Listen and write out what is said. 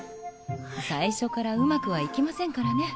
最初からうまくはいきませんからね。